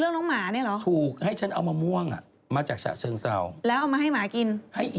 อ๋อเห็นไงรูปของพี่หนุ่มเขามีอยู่